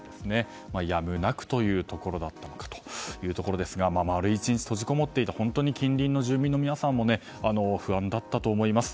やむなくというところだったのかなというところですが丸１日閉じこもっていて本当に近隣の住民の皆さんも不安だったと思います。